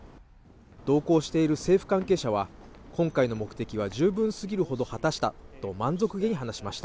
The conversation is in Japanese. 同行している政府関係者は、今回の目的は十分すぎるほど果たしたと満足げに話しました。